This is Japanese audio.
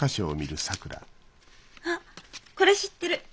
あっこれ知ってる。